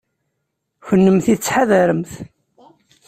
Kennemti tettḥadaremt.